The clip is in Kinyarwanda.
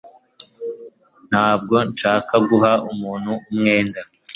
Ntabwo nshaka guha umuntu umwenda